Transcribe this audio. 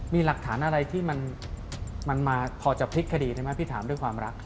มีหลักฐานอะไรที่มันมาพอจะพลิกคดีได้ไหมพี่ถามด้วยความรัก